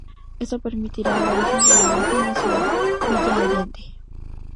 Esto permitirá el origen de la vecina ciudad Villa Allende.